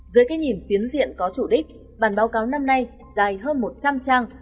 dưới cái nhìn tiến diện có chủ đích bản báo cáo năm nay dài hơn một trăm linh trang